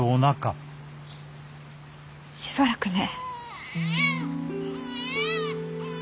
しばらくね。